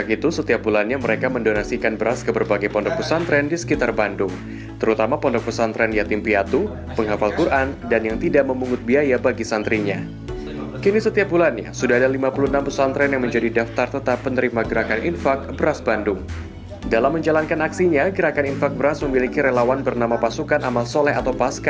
gerakan infak beras